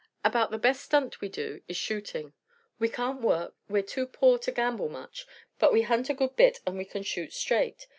About the best stunt we do is shooting. We can't work; we're too poor to gamble much; but we hunt a good bit and we can shoot straight.